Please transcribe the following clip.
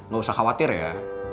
gak usah khawatir ya